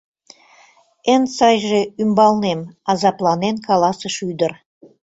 — Эн сайже — ӱмбалнем, — азапланен каласыш ӱдыр.